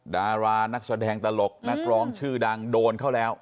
ดารานักแสดงตลกนักร้องชื่อดังโดนเข้าแล้ว